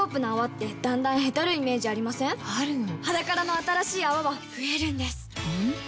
「ｈａｄａｋａｒａ」の新しい泡は増えるんですほんとだ